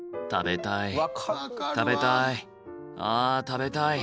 食べたい。